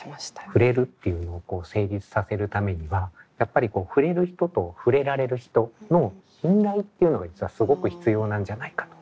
ふれるっていうのを成立させるためにはやっぱりふれる人とふれられる人の信頼っていうのが実はすごく必要なんじゃないかと。